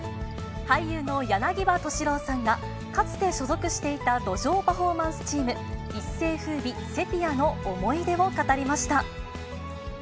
俳優の柳葉敏郎さんが、かつて所属していた路上パフォーマンスチーム、一世風靡セピアの思い出を語りました。